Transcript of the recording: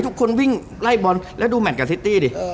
ทุกคนวิ่งไล่บอลแล้วดูแมทกับซิตี้ดิ